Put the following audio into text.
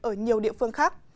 ở nhiều địa phương khác